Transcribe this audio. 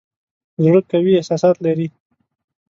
زړه قوي احساسات لري.